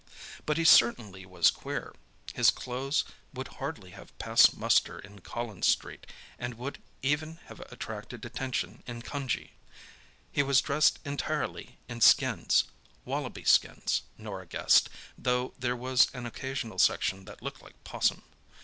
But he certainly was queer. His clothes would hardly have passed muster in Collins Street, and would even have attracted attention in Cunjee. He was dressed entirely in skins—wallaby skins, Norah guessed, though there was an occasional section that looked like 'possum.